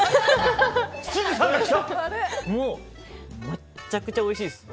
めっちゃくちゃおいしいです！